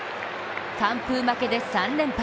完封負けで３連敗。